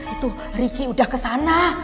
itu riki udah kesana